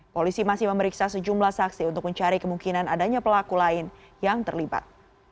polisi masih memeriksa sejumlah saksi untuk mencari kemungkinan adanya pelaku lain yang terlibat